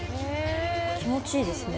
気持ちいいですね。